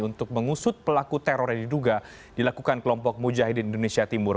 untuk mengusut pelaku teror yang diduga dilakukan kelompok mujahidin indonesia timur